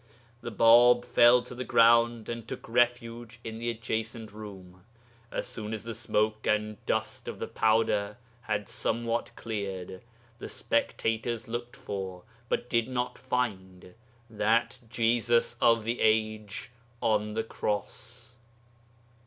The Bāb fell to the ground, and took refuge in the adjacent room. As soon as the smoke and dust of the powder had somewhat cleared, the spectators looked for, but did not find, that Jesus of the age on the cross.